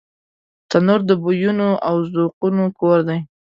تنور د بویونو او ذوقونو کور دی